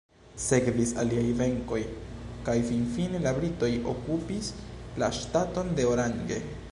Sekvis aliaj venkoj kaj finfine la britoj okupis la ŝtaton de Orange.